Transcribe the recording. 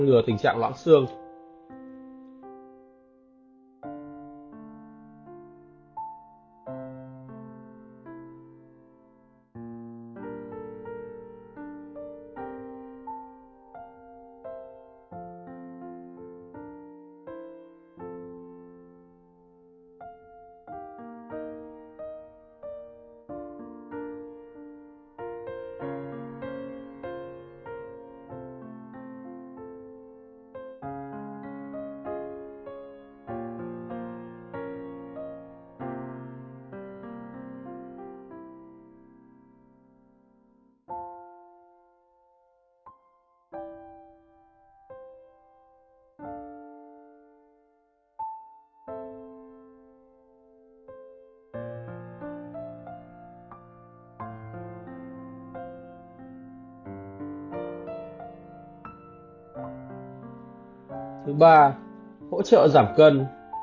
hỗ trợ giảm cân